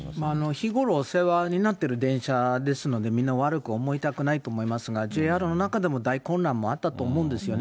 日頃お世話になってる電車ですので、みんな悪く思いたくないと思いますが、ＪＲの中でも大混乱もあったと思うんですよね。